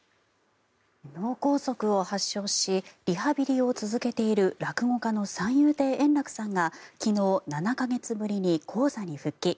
脳梗塞を発症しリハビリを続けている落語家の三遊亭円楽さんが昨日、７か月ぶりに高座に復帰。